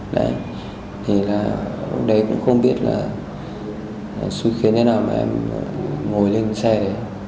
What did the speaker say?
đấy thì là đấy cũng không biết là suy khiến thế nào mà em ngồi lên xe đấy